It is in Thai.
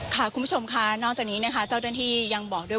คุณผู้ชมค่ะนอกจากนี้นะคะเจ้าหน้าที่ยังบอกด้วย